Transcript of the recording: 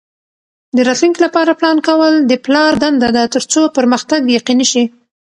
د راتلونکي لپاره پلان کول د پلار دنده ده ترڅو پرمختګ یقیني شي.